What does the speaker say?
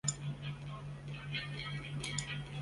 这地点看起来不错啊